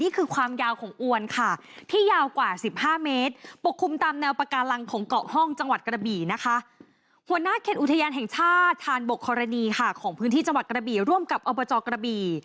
ของพื้นที่จังหวัดกระบี่ร่วมกับอบจกระบี่